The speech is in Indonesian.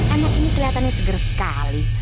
anak ini kelihatannya seger sekali